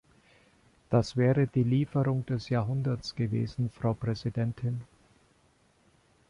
Das wäre die Lieferung des Jahrhunderts gewesen, Frau Präsidentin.